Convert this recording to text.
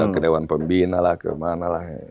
ke dewan pembina lah ke mana lah